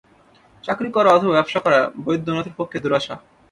চাকরি করা অথবা ব্যাবসা করা বৈদ্যনাথের পক্ষে দুরাশা।